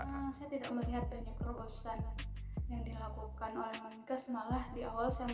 saya tidak melihat banyak kerobosan yang dilakukan oleh menikah